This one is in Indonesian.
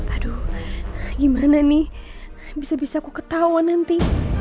aduh gimana nih bisa bisa aku ketawa nanti